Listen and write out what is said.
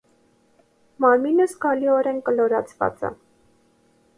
Մարմինը զգալիորեն կլորացված է։